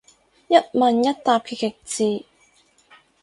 一問一答嘅極致